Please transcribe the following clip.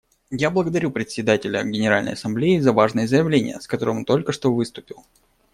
Я благодарю Председателя Генеральной Ассамблеи за важное заявление, с которым он только что выступил.